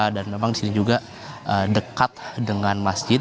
dan memang di sini juga dekat dengan masjid